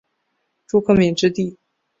朱克敏之弟。